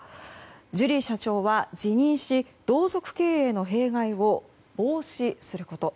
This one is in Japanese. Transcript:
ジュリー社長は辞任し同族経営の弊害を防止すること。